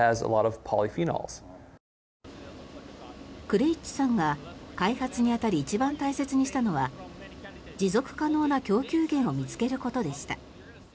クレイッチさんが開発に当たり一番大切にしたのは持続可能な供給源を見つけることでした。